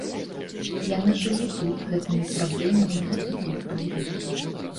Яны жылі тут, гэтымі праблемамі, гэтай культурай.